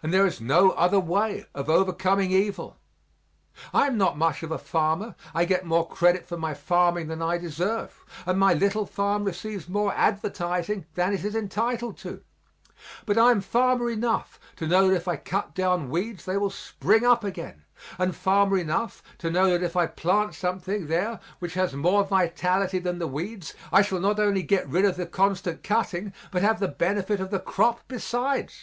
And there is no other way of overcoming evil. I am not much of a farmer I get more credit for my farming than I deserve, and my little farm receives more advertising than it is entitled to. But I am farmer enough to know that if I cut down weeds they will spring up again; and farmer enough to know that if I plant something there which has more vitality than the weeds I shall not only get rid of the constant cutting, but have the benefit of the crop besides.